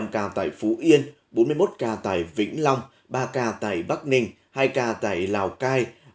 năm ca tại phú yên bốn mươi một ca tại vĩnh long ba ca tại bắc ninh hai ca tại lào cai